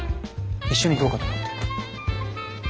一緒にどうかと思って。